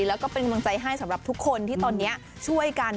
แล้วก็เป็นกำลังใจให้สำหรับทุกคนที่ตอนนี้ช่วยกัน